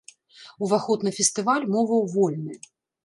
Уваход на фестываль моваў вольны.